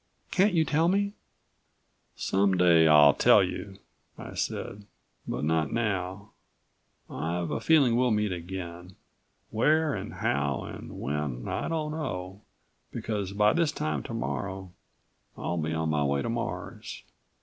"Can't you tell me?" "Someday I'll tell you," I said. "But not now. I've a feeling we'll meet again. Where and how and when I don't know, because by this time tomorrow I'll be on my way to Mars."